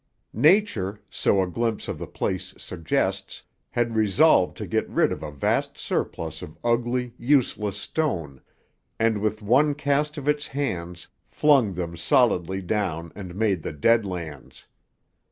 Nature, so a glimpse of the place suggests, had resolved to get rid of a vast surplus of ugly, useless stone, and with one cast of its hands flung them solidly down and made the Dead Lands.